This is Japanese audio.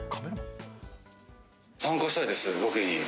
参加したいですよ、ロケに。